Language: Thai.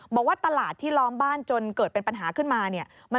บอกว่าตลาดที่ล้อมบ้านจนเกิดเป็นปัญหาขึ้นมาเนี่ย